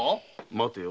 待てよ。